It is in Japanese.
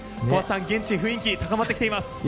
小松さん、現地は雰囲気が高まってきています。